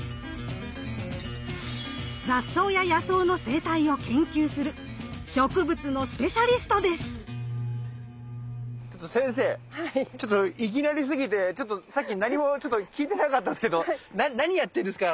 雑草や野草の生態を研究するちょっと先生ちょっといきなりすぎてさっき何も聞いてなかったんですけど何やってるんですか？